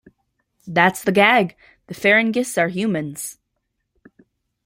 That's the gag, the Ferengis are Humans.